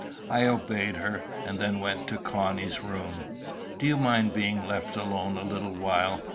I obeyed her, and then went to Connie's room. "Do you mind being left alone a little while?"